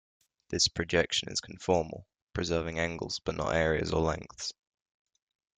This projection is conformal, preserving angles but not areas or lengths.